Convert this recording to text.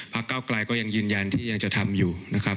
เก้าไกลก็ยังยืนยันที่ยังจะทำอยู่นะครับ